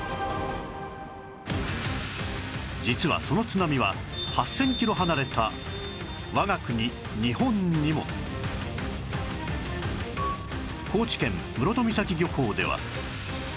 実はその津波は８０００キロ離れた我が国日本にも高知県室戸岬漁港では